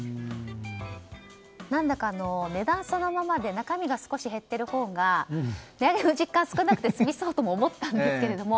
何だか、値段そのままで中身が少し減っているほうが値上げの実感が少なくて済みそうとも思ったんですけれども。